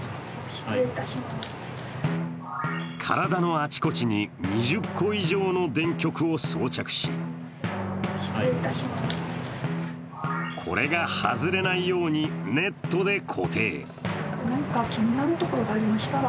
体のあちこちに２０個以上の電極を装着しこれが外れないように、ネットで固定。